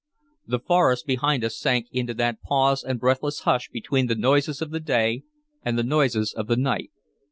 The forest behind us sank into that pause and breathless hush between the noises of the day and the noises of the night.